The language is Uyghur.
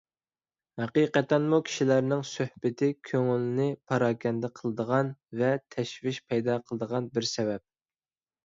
ھەقىقەتەنمۇ كىشىلەرنىڭ سۆھبىتى كۆڭۈلنى پاراكەندە قىلىدىغان ۋە تەشۋىش پەيدا قىلىدىغان بىر سەۋەب.